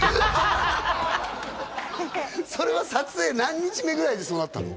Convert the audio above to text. それは撮影何日目ぐらいでそうなったの？